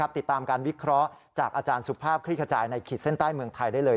ติดตามการวิเคราะห์จากอาจารย์สุภาพคลิกขจายในขีดเส้นใต้เมืองไทยได้เลย